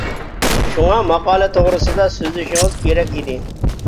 شۇڭا ماقالە توغرىسىدا سۆزلىشىڭىز كېرەك ئىدى.